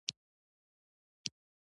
آیا د انرژۍ سکتور ډیر عاید نلري؟